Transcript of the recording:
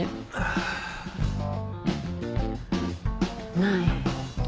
ない。